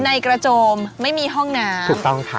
ในกระโจมไม่มีห้องน้ำถูกต้องค่ะ